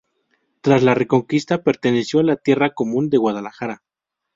Tras la reconquista perteneció a la Tierra Común de Guadalajara.